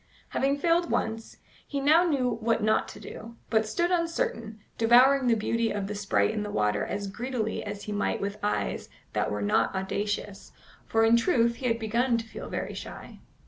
Having failed once, he now knew not what to do, but stood uncertain, devouring the beauty of the sprite in the water as greedily as he might with eyes that were not audacious, for in truth he had begun to feel very shy.